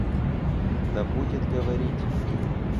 Да будет говорить!